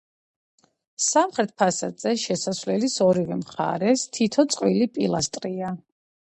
სამხრეთ ფასადზე, შესასვლელის ორივე მხარეს, თითო წყვილი პილასტრია.